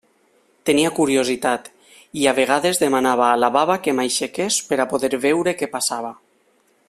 Tenia curiositat, i a vegades demanava a la baba que m'aixequés per a poder veure què passava.